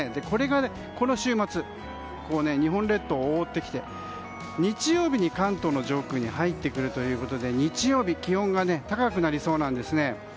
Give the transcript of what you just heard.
これが、この週末日本列島を覆ってきて日曜日に関東の上空に入ってくるということで日曜日、気温が高くなりそうなんです。